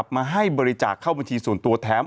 มาให้บริจาคเข้าบัญชีส่วนตัวแถม